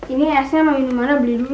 ini esnya mau minum mana beli dulu